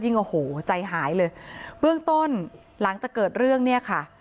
โอ้โหใจหายเลยเบื้องต้นหลังจากเกิดเรื่องเนี่ยค่ะ